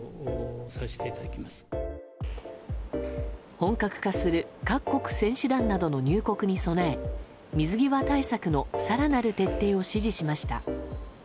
本格化する各国選手団などの入国に備え水際対策の更なる徹底を指示しました。